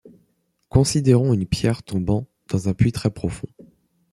Considérons une pierre tombant dans un puits très profond.